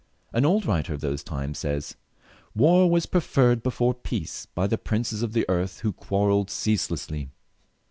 An old writer of those times says, " War was preferred before peace by the princes of the earth, who quarrelled ceaselessly."